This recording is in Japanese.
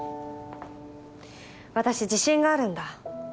私自信があるんだ。